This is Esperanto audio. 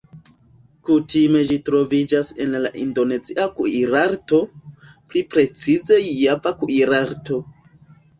Kutime ĝi troviĝas en la Indonezia kuirarto, pli precize Java kuirarto.